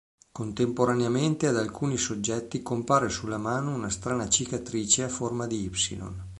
Contemporaneamente ad alcuni soggetti compare sulla mano una strana cicatrice a forma di "Y".